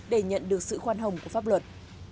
để nhận được sự khoan hồng của pháp luật